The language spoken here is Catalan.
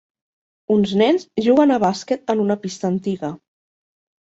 Uns nens juguen a bàsquet en una pista antiga.